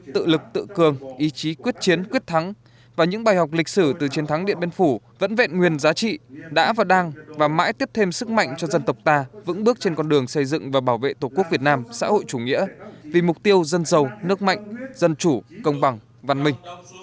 tự lực tự cường ý chí quyết chiến quyết thắng và những bài học lịch sử từ chiến thắng điện biên phủ vẫn vẹn nguyên giá trị đã và đang và mãi tiếp thêm sức mạnh cho dân tộc ta vững bước trên con đường xây dựng và bảo vệ tổ quốc việt nam xã hội chủ nghĩa vì mục tiêu dân giàu nước mạnh dân chủ công bằng văn minh